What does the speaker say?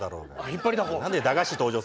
引っ張りだこ。